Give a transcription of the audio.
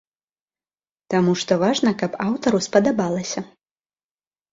Таму што важна, каб аўтару спадабалася.